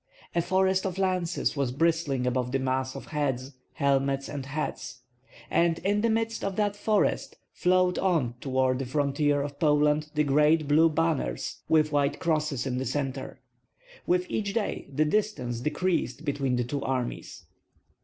A forest of lances was bristling above the mass of heads, helmets, and hats; and in the midst of that forest flowed on toward the frontier of Poland the great blue banners with white crosses in the centre. With each day the distance decreased between the two armies.